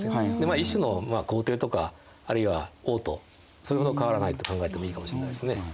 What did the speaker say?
一種の皇帝とかあるいは王とそれほど変わらないと考えてもいいかもしれないですね。